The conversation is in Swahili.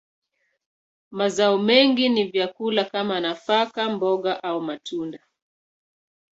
Mazao mengi ni vyakula kama nafaka, mboga, au matunda.